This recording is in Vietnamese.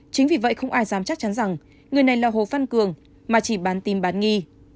chính vì vậy không ai dám chắc chắn rằng người này là hồ văn cường mà chỉ bán tìm bán nghi